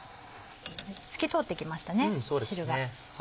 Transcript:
透き通ってきましたね汁が。